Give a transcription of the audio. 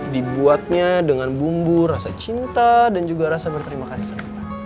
dibuatnya dengan bumbu rasa cinta dan juga rasa berterima kasih